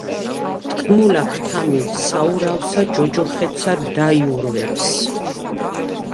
თქმულა, ქრთამი საურავსა ჯოჯოხეთსაც დაიურვებს.